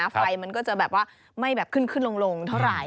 ไฟมันก็จะไม่ขึ้นขึ้นลงเท่าไหร่